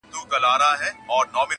هر څوک د پېښې معنا بېله بېله اخلي,